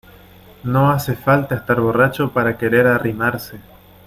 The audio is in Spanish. no hace falta estar borracho para querer arrimarse